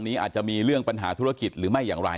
เรื่องเงินเรื่องทองก็คือให้ตรงเวลา